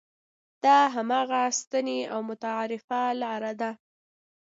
دا هماغه سنتي او متعارفه لاره ده.